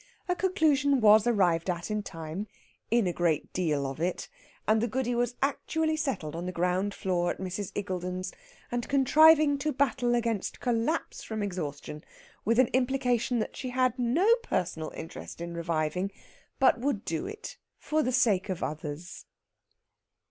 A conclusion was arrived at in time in a great deal of it and the Goody was actually settled on the ground floor at Mrs. Iggulden's, and contriving to battle against collapse from exhaustion with an implication that she had no personal interest in reviving, but would do it for the sake of others.